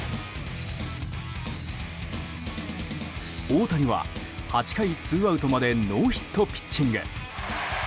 大谷は８回ツーアウトまでノーヒットピッチング。